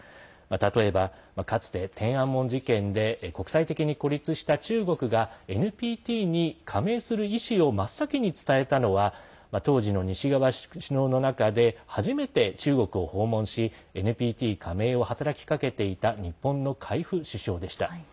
例えば、かつて天安門事件で国際的に孤立した中国がＮＰＴに加盟する意思を真っ先に伝えたのは当時の西側首脳の中で初めて中国を訪問しＮＰＴ加盟を働きかけていた日本の海部首相でした。